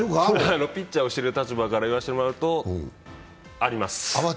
ピッチャーを知る立場から言わせてもらうと、あります。